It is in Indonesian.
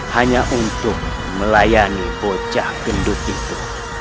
hanya untuk melayani bocah gendut itu